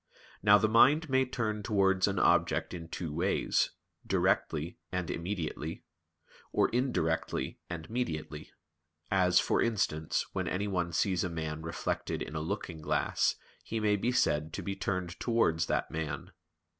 Now the mind may turn towards an object in two ways: directly and immediately, or indirectly and mediately; as, for instance, when anyone sees a man reflected in a looking glass he may be said to be turned towards that man.